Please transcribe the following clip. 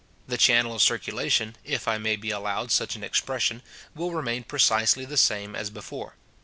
The channel of circulation, if I may be allowed such an expression, will remain precisely the same as before.